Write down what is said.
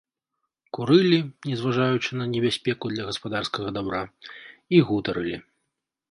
Курылі, не зважаючы на небяспеку для гаспадарскага дабра, і гутарылі.